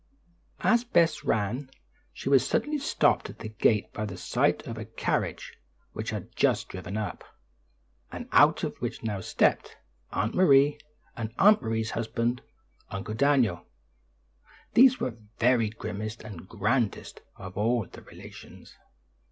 As Bess ran she was suddenly stopped at the gate by the sight of a carriage which had just driven up, and out of which now stepped Aunt Maria and Aunt Maria's husband, Uncle Daniel. These were the very grimmest and grandest of all the relations.